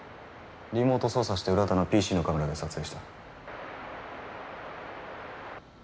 リモート操作して浦田のＰＣのカメラで撮影した。